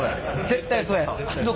絶対そう。